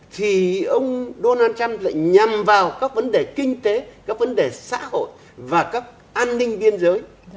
thì ông donald trump lại nhằm vào các vấn đề kinh tế các vấn đề xã hội và các an ninh biên giới